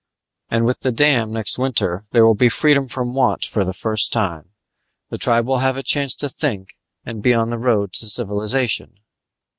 And with the dam, next winter there will be freedom from want for the first time. The tribe will have a chance to think and be on the road to civilization."